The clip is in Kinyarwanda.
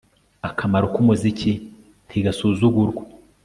Akamaro kumuziki ntigasuzugurwa